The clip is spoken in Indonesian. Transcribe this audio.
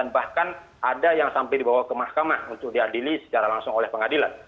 bahkan ada yang sampai dibawa ke mahkamah untuk diadili secara langsung oleh pengadilan